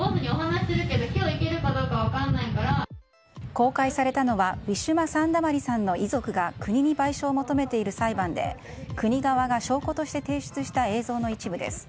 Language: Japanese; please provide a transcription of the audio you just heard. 公開されたのはウィシュマ・サンダマリさんの遺族が国に賠償を求めている裁判で国側が証拠として退出した映像の一部です。